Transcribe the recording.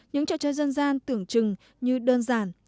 những trò chơi dân gian tưởng chừng như đơn giản